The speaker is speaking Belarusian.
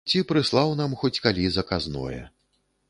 Ці прыслаў нам хоць калі заказное.